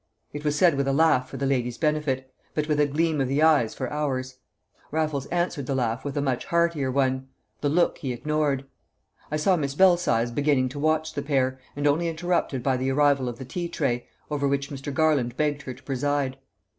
It was said with a laugh for the lady's benefit, but with a gleam of the eyes for ours. Raffles answered the laugh with a much heartier one; the look he ignored. I saw Miss Belsize beginning to watch the pair, and only interrupted by the arrival of the tea tray, over which Mr. Garland begged her to preside.